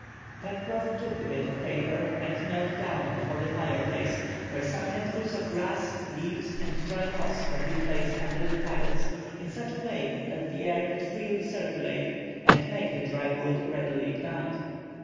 Pencroff took the bit of paper and knelt down before the fire place, where some handfuls of grass, leaves, and dry moss had been placed under the faggots in such a way that the air could freely circulate and make the dry wood readily ignite.